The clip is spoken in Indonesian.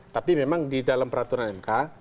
tapi memang di dalam peraturan mk